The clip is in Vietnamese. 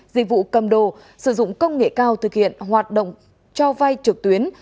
dịch vụ cầm đồ sử dụng công nghệ cao thực hiện hoạt động cho vay trực tuyến